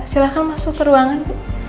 silahkan masuk ke ruangan